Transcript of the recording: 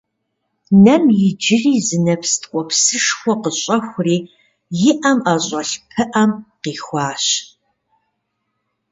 Нэм иджыри зы нэпс ткӀуэпсышхуэ къыщӀэхури, и Іэм ІэщӀэлъ пыӀэм къихуащ